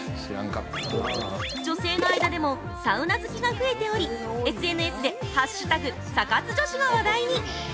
女性の間でもサウナ好きが増えており、ＳＮＳで「＃サ活女子」が話題に！